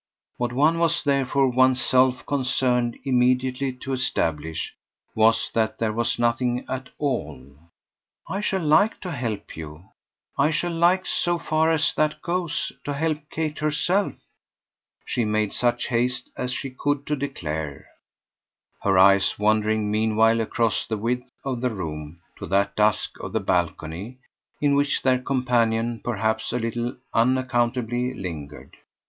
What one was therefore one's self concerned immediately to establish was that there was nothing at all. "I shall like to help you; I shall like, so far as that goes, to help Kate herself," she made such haste as she could to declare; her eyes wandering meanwhile across the width of the room to that dusk of the balcony in which their companion perhaps a little unaccountably lingered.